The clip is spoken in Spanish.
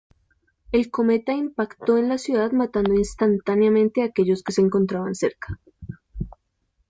El cometa impactó en la ciudad matando instantáneamente a aquellos que se encontraban cerca.